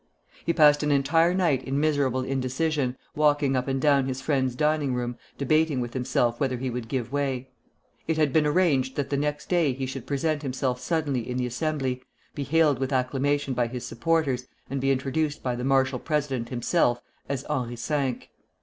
He passed an entire night in miserable indecision, walking up and down his friend's dining room, debating with himself whether he would give way. It had been arranged that the next day he should present himself suddenly in the Assembly, be hailed with acclamation by his supporters, and be introduced by the marshal president himself as Henri Cinq.